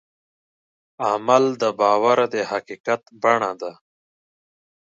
عمل د باور د حقیقت بڼه ده.